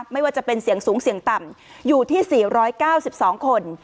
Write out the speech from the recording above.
ไม่ว่าจะเป็นเสียงสูงเสี่ยงต่ำอยู่ที่๔๙๒คน